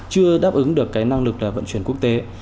chưa đáp ứng được cái năng lực là vận chuyển quốc tế